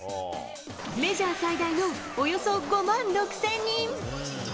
メジャー最大のおよそ５万６０００人。